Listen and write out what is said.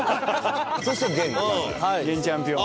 そして現チャンピオン。